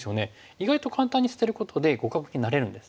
意外と簡単に捨てることで互角になれるんです。